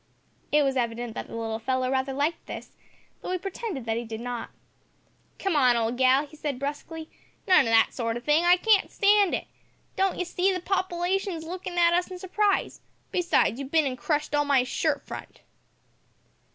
It was evident that the little fellow rather liked this, though he pretended that he did not. "Come, old gal," he said brusquely, "none o' that sort o' thing. I can't stand it. Don't you see, the popilation is lookin' at us in surprise; besides, you've bin an' crushed all my shirt front!"